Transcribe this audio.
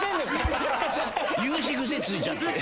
有刺癖ついちゃって。